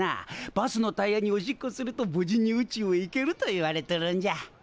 バスのタイヤにおしっこすると無事に宇宙へ行けるといわれとるんじゃ。